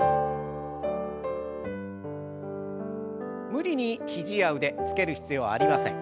無理に肘や腕つける必要はありません。